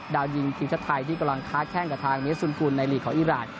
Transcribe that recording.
ดาวยิงทีมชาติไทยที่กำลังค้าแข้งกับทางเมียซุนกุลในลีกของอิราณ